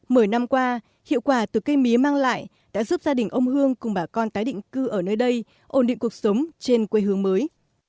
mười năm qua hiệu quả từ cây mía mang lại đã giúp gia đình ông hương cùng bà con tái định cư ở nơi đây ổn định cuộc sống trên quê hương mới